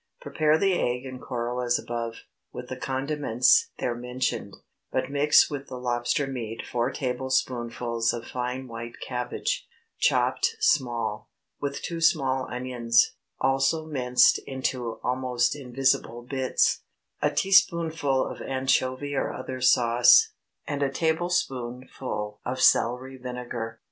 Prepare the egg and coral as above, with the condiments there mentioned, but mix with the lobster meat four tablespoonfuls of fine white cabbage, chopped small, with two small onions, also minced into almost invisible bits, a teaspoonful of anchovy or other sauce, and a tablespoonful of celery vinegar.